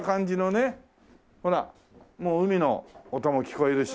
ほらもう海の音も聞こえるし。